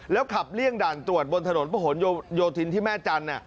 ขับเลี่ยงด่านตรวจบนถนนประหลโยธินที่แม่จันทร์